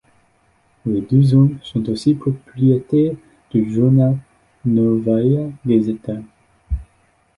Les deux hommes sont aussi propriétaires du journal Novaïa Gazeta.